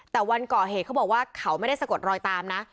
แต่วันก่อเหตุเขาบอกว่าเขาไม่ได้สะกดรอยตามนะ